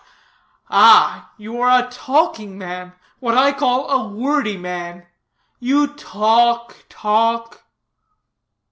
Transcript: '" "Ah, you are a talking man what I call a wordy man. You talk, talk."